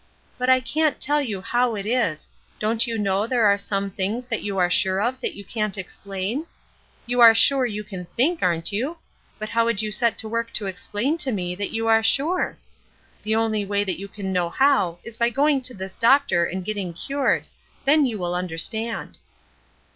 But I can't tell you how it is: don't you know there are some things that you are sure of that you can't explain? You are sure you can think, aren't you? but how would you set to work to explain to me that you are sure? The only way that you can know how is by going to this doctor and getting cured; then you will understand."